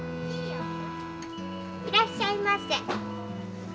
いらっしゃいませ。